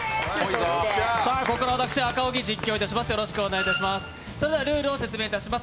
ここからは私、赤荻が実況いたします。